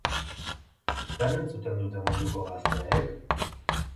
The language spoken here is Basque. Zer entzuten dute munduko gazteek?